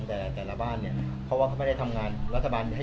แล้วเราจะดูว่าโอเคอย่างเนี้ยเราก็คุ้มคนจะให้